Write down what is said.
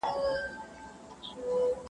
o ورور مي اخلي ریسوتونه ښه پوهېږم,